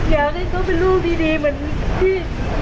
อยากให้เขาเป็นลูกดีเหมือนที่